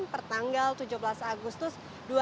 pertanggal tujuh belas agustus dua ribu dua puluh